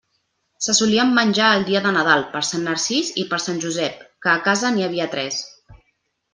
Se solien menjar el dia de Nadal, per Sant Narcís i per Sant Josep, que a casa n'hi havia tres.